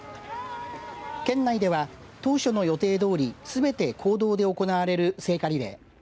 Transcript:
県内では、当初の予定どおりすべて公道で行われる聖火リレー。